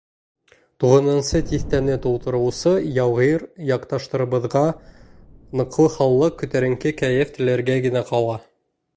Туғыҙынсы тиҫтәне тултырыусы яугир яҡташтарыбыҙға ныҡлы һаулыҡ, күтәренке кәйеф теләргә генә ҡала.